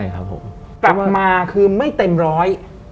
กลับมาคือไม่เต็มร้อย